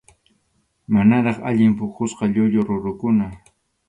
Manaraq allin puqusqa llullu rurukuna.